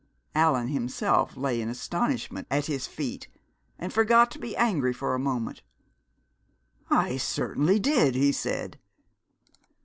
Allan himself lay in astonishment at his feat, and forgot to be angry for a moment. "I certainly did!" he said.